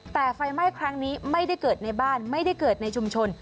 แต่ไฟไหม้ครั้งนี้ไม่ได้เกิดในบ้านไม่ได้เกิดในชุมชน